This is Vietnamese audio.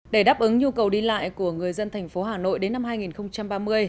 để đáp ứng nhu cầu đi lại của người dân thành phố hà nội đến năm hai nghìn ba mươi